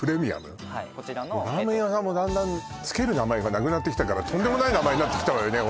はいこちらのラーメン屋さんもだんだん付ける名前がなくなってきたからとんでもない名前になってきたわよね